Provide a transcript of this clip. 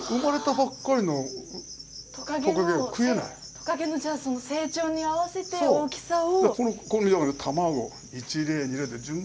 トカゲのじゃあ成長に合わせて大きさを。